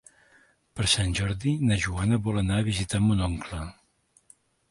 Per Sant Jordi na Joana vol anar a visitar mon oncle.